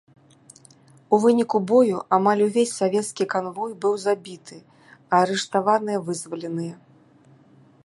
У выніку бою амаль увесь савецкі канвой быў забіты, а арыштаваныя вызваленыя.